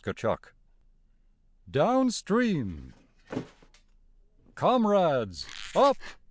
54 DOWN STREAM Comrades, up!